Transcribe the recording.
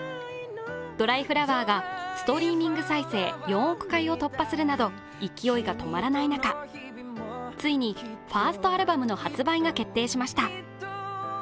「ドライフラワー」がストリーミング再生４億回を突破するなど勢いが止まらない中、ついにファーストアルバムの発売が決定しました。